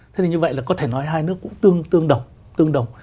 thế thì như vậy là có thể nói hai nước cũng tương đồng